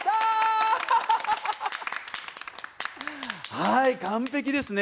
はい完璧ですね。